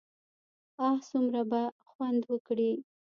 اه څومره به خوند وکړي.